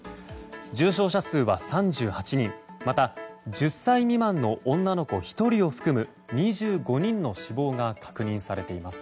重症者数は３８人また、１０歳未満の女の子１人を含む２５人の死亡が確認されています。